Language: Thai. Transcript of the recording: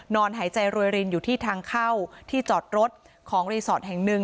หายใจรวยรินอยู่ที่ทางเข้าที่จอดรถของรีสอร์ทแห่งหนึ่ง